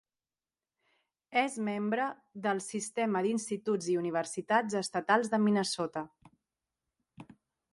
És membre del sistema d'Instituts i Universitats Estatals de Minnesota.